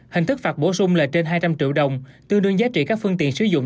hình thức phạt bổ sung là trên hai trăm linh triệu đồng tương đương giá trị các phương tiện sử dụng